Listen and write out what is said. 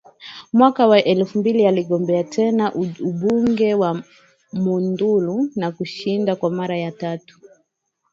wa mwaka elfu mbili aligombea tena ubunge wa Monduli na kushinda kwa mara tatu